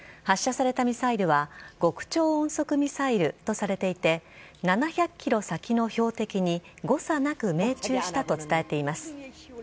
発射されたミサイルは極超音速ミサイルとされていて７００ｋｍ先の標的に誤差なく命中したと伝えています。